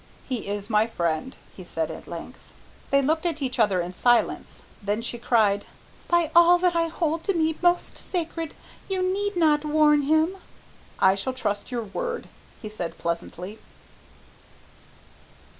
"He is my friend," he said at length. They looked at each other in silence. Then she cried, "By all that I hold to me most sacred, you need not warn him!" "I shall trust your word," he said pleasantly.